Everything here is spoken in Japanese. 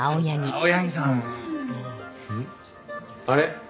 あれ？